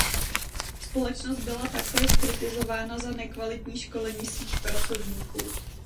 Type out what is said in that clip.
Společnost byla taktéž kritizována za nekvalitní školení svých pracovníků.